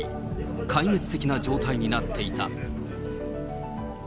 壊滅的な状態になっていた。